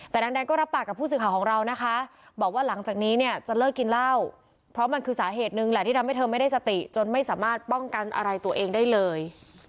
แต่นางแดงก็รับปากกับผู้สื่อข่าวของเรานะคะบอกว่าหลังจากนี้เนี่ยจะเลิกกินเหล้าเพราะมันคือสาเหตุหนึ่งแหละที่ทำให้เธอไม่ได้สติจนไม่สามารถป้องกันอะไรตัวเองได้เลย